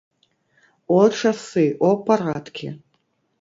О, часы, о, парадкі!